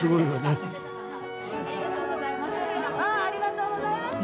ありがとうございます。